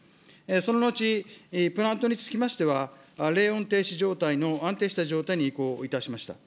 その後、プラントにつきましては、冷温停止状態の安定した状態に移行いたしました。